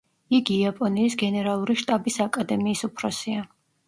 იგი იაპონიის გენერალური შტაბის აკადემიის უფროსია.